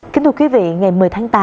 kính thưa quý vị ngày một mươi tháng tám